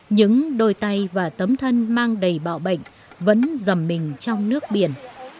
những đôi tay và tấm thân mang đầy bạo bệnh vẫn dầm mình trong nước biển